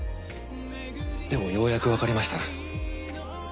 でもようやくわかりました。